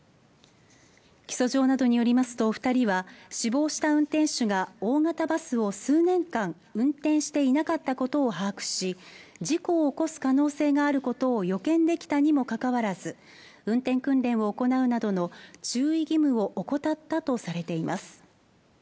起訴状などによりますと二人は死亡した運転手が大型バスを数年間運転していなかったことを把握し事故を起こす可能性があることを予見できたにもかかわらず運転訓練を行うなどの注意義務を怠ったとされています